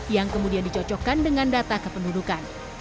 yang kemudian dicocokkan dengan data kependudukan